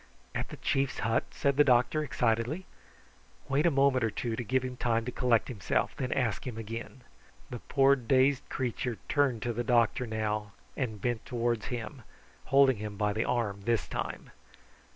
"At the chief's hut?" said the doctor excitedly. "Wait a moment or two to give him time to collect himself, then ask him again." The poor dazed creature turned to the doctor now, and bent towards him, holding him by the arm this time.